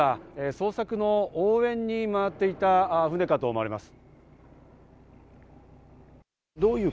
捜索の応援に回っていた船かと思われます。